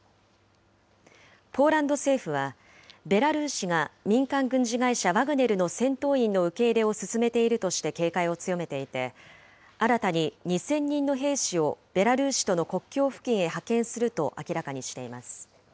ポーランド政府は、ベラルーシが民間軍事会社ワグネルの戦闘員の受け入れを進めているとして警戒を強めていて、新たに２０００人の兵士をベラルーシとの国境付近へ派遣すると明らかにしています。